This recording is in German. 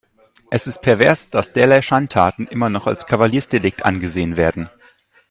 Es ist pervers, dass derlei Schandtaten immer noch als Kavaliersdelikt angesehen werden.